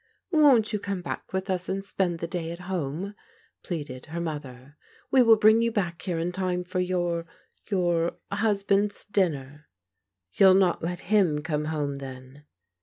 Won't you come back with us and spend the day at home? " pleaded her mother. We will bring you back here in time for your — ^your — ^husband's dinner." " Youll not let him come home, then?